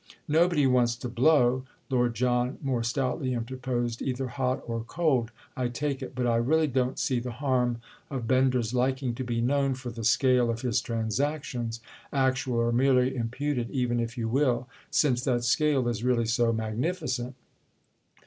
"Nobody wants to 'blow,'" Lord John more stoutly interposed, "either hot or cold, I take it; but I really don't see the harm of Bender's liking to be known for the scale of his transactions—actual or merely imputed even, if you will; since that scale is really so magnificent."